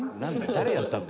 誰やったんだ？